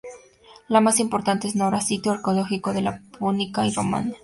La más importante es Nora, sitio arqueológico de la púnica y romana.